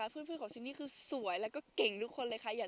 เพื่อนของซินดี้คือสวยเต่นเข่มดัชค่ะ